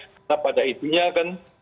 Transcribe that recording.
karena pada intinya kan